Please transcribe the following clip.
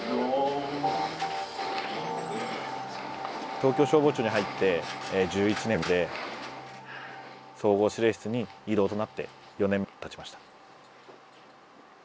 東京消防庁に入って１１年で総合指令室に異動となって４年たちました。